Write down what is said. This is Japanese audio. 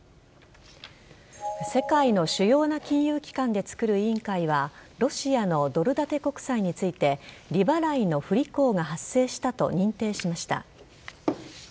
世界の主要な金融機関でつくる委員会はロシアのドル建て国債について利払いの不履行が発生したと認定しました。